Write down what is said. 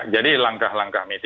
jadi langkah langkah mitigasi